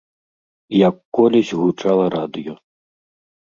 Як колісь гучала радыё.